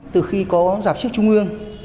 từ khi có giảm siếc trung ương